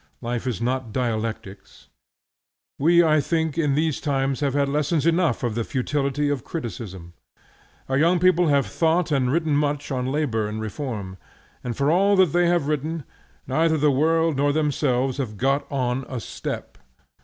Life is not dialectics. We, I think, in these times, have had lessons enough of the futility of criticism. Our young people have thought and written much on labor and reform, and for all that they have written, neither the world nor themselves have got on a step.